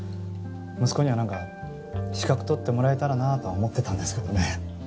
息子には何か資格取ってもらえたらなとは思ってたんですけどね。